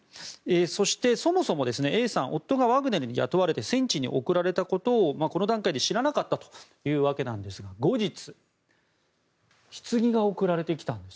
そして、そもそもＡさん夫がワグネルに雇われて戦地に送られたことをこの段階で知らなかったんですが後日、ひつぎが送られてきたんです。